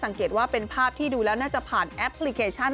สังเกตว่าเป็นภาพที่ดูแล้วน่าจะผ่านแอปพลิเคชัน